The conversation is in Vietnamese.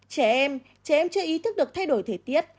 trẻ em trẻ em chưa ý thức được thay đổi thời tiết